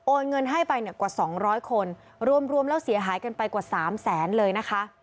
โอนเงินให้ไปกว่า๒๐๐คนรวมแล้วเสียหายกันไปกว่า๓๐๐๐๐๐เลยนะคะ